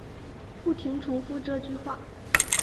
不停重复这句话